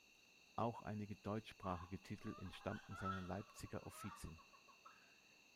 Auch einige deutschsprachige Titel entstammten seiner Leipziger Offizin.